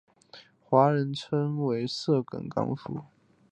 华人称其为色梗港府。